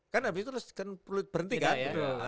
kan habis itu harus berhenti kan